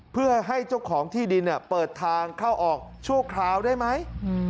เพื่อให้เจ้าของที่ดินเปิดทางเข้าออกชั่วคราวได้ไหม